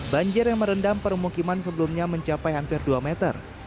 banjir yang merendam permukiman sebelumnya mencapai hampir dua meter